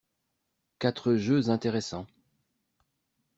Quatre jeux intéressants.